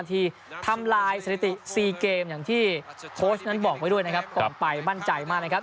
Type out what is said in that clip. ที่ทำลายสถิติ๔เกมอย่างที่โค้ชนั้นบอกไว้ด้วยนะครับก่อนไปมั่นใจมากนะครับ